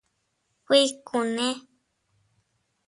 ¿Kuikune?